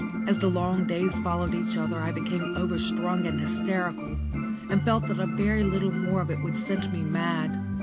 As the long days followed each other I became overstrung and hysterical, and felt that a very little more of it would send me mad.